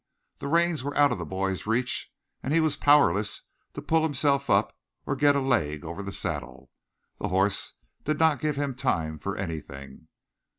The reins were out of the boy's reach and he was powerless to pull himself up or get a leg over the saddle. The horse did not give him time for anything.